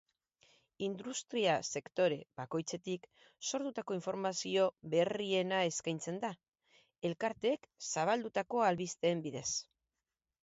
Industria-sektore bakoitzetik sortutako informazio berriena eskaintzen da, elkarteek zabaldutako albisteen bidez.